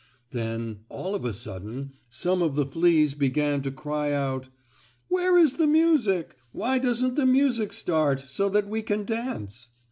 Then, all of a sudden, some of the fleas began to cry out: "Where is the music? Why doesn't the music start, so that we can dance?"